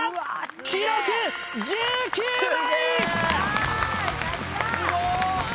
記録１９枚！